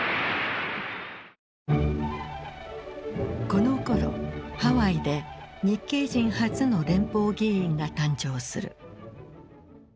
このころハワイで日系人初の連邦議員が誕生する。